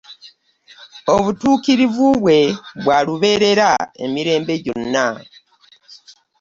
Obutuukirivu bwe bwa lubeerera emirembe gyonna,